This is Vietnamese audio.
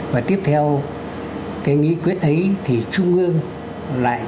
và tiếp theo cái nghị quyết ấy thì trung ương lại